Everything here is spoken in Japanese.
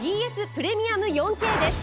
プレミアム４Ｋです。